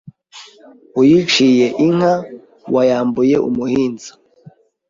Uyiciye inka wayambuye umuhinza